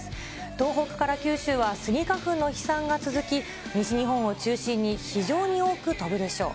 東北から九州はスギ花粉の飛散が続き、西日本を中心に非常に多く飛ぶでしょう。